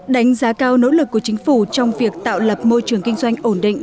đánh giá cao nỗ lực của chính phủ trong việc tạo lập môi trường kinh doanh ổn định